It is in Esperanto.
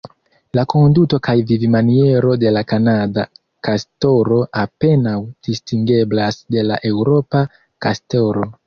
La konduto kaj vivmaniero de la kanada kastoro apenaŭ distingeblas de la eŭropa kastoro.